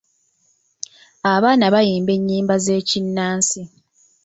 Abaana bayimba ennyimba z'ekinnansi.